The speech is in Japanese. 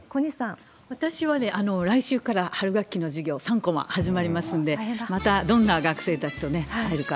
私はね、来週から春学期の授業３コマ始まりますんで、またどんな学生たちとね、会えるか。